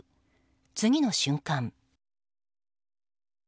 次の瞬間。